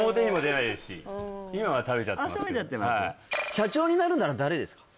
社長になるなら誰ですか？